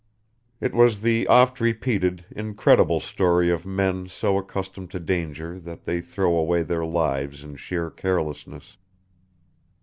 It was the oft repeated, incredible story of men so accustomed to danger that they throw away their lives in sheer carelessness.